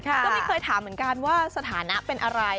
ก็ไม่เคยถามเหมือนกันว่าสถานะเป็นอะไร